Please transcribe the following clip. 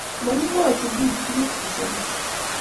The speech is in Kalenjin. mokimwochi pik tukuk che samis